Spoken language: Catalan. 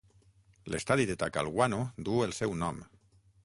L'estadi de Talcahuano duu el seu nom.